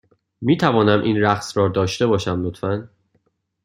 می توانم این رقص را داشته باشم، لطفا؟